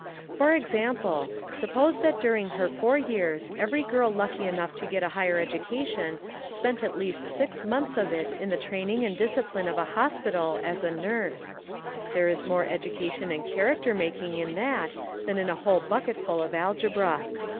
For example, suppose that during her four years every girl lucky enough to get a higher education spent at least six months of it in the training and discipline of a hospital as a nurse. There is more education and character making in that than in a whole bucketful of algebra.